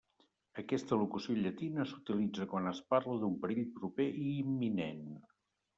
Aquesta locució llatina s'utilitza quan es parla d'un perill proper i imminent.